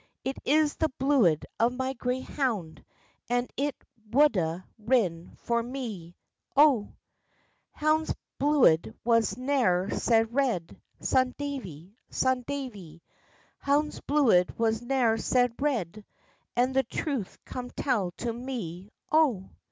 It is the bluid of my grey hound, And it wudna rin for me, O." "Hound's bluid was ne'er sae red, Son Davie! Son Davie! Hound's bluid was ne'er sae red, And the truth come tell to me, O."